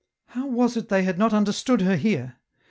" How was it they had not understood her here